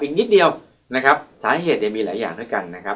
อีกนิดเดียวนะครับสาเหตุเนี่ยมีหลายอย่างด้วยกันนะครับ